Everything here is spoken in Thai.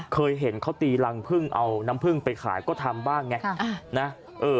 เคยเห็นเขาตีรังพึ่งเอาน้ำพึ่งไปขายก็ทำบ้างไง